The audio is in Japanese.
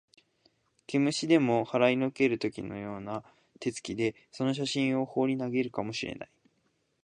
毛虫でも払いのける時のような手つきで、その写真をほうり投げるかも知れない